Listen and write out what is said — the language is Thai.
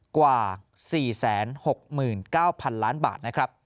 กว่า๔๖๙๐๐๐ล้านบาท